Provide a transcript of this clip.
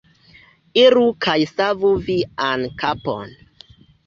Iru kaj savu vian kapon!